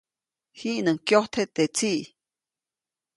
Jiʼnuŋ kyojtje teʼ tsiʼ.